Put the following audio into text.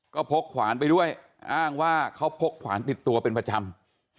ก็พกขวานไปด้วยอ้างว่าเขาพกขวานติดตัวเป็นประจำ